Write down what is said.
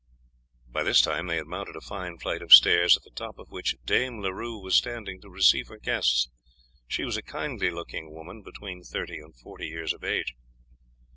By this time they had mounted a fine flight of stairs, at the top of which Dame Leroux was standing to receive her guests. She was a kindly looking woman between thirty and forty years of age.